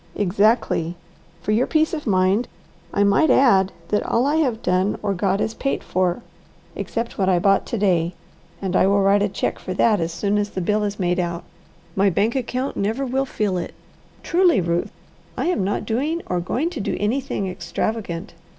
"Exactly! For your peace of mind I might add that all I have done or got is paid for, except what I bought to day, and I will write a check for that as soon as the bill is made out. My bank account never will feel it Truly, Ruth, I am not doing or going to do anything extravagant.